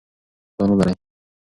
پلان ولرئ.